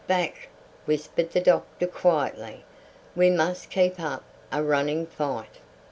"Back!" whispered the doctor quietly; "we must keep up a running fight."